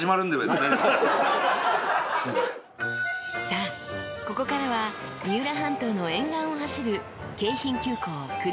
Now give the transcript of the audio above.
［さあここからは三浦半島の沿岸を走る］